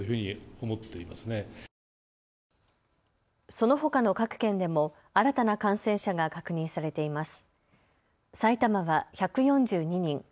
そのほかの各県でも新たな感染者が確認されています。